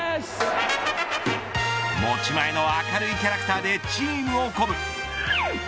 持ち前の明るいキャラクターでチームを鼓舞。